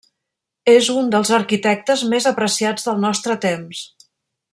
És un dels arquitectes més apreciats del nostre temps.